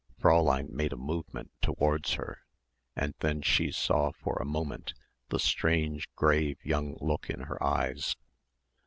Fräulein made a movement towards her; and then she saw for a moment the strange grave young look in her eyes.